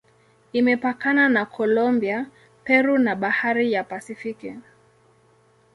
Imepakana na Kolombia, Peru na Bahari ya Pasifiki.